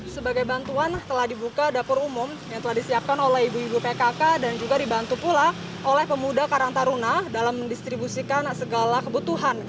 sebagai bantuan telah dibuka dapur umum yang telah disiapkan oleh ibu ibu pkk dan juga dibantu pula oleh pemuda karang taruna dalam mendistribusikan segala kebutuhan